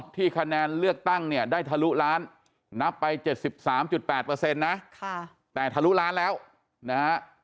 ที่คะแนนเลือกตั้งเนี่ยได้ทะลุล้านนับไป๗๓๘เปอร์เซ็นต์นะค่ะแต่ทะลุล้านแล้วนะ